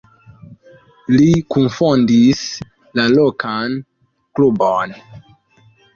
Li kunfondis la lokan klubon.